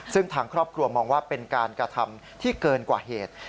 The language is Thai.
ซึ่งทางครอบครัวมองว่าเป็นการกระทำที่เกินกว่าเหตุ